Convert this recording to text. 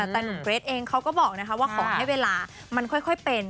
แต่หนุ่มเกรทเองเขาก็บอกว่าขอให้เวลามันค่อยเป็น